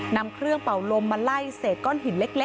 นำเครื่องเป่าลมมาไล่เศษก้อนหินเล็ก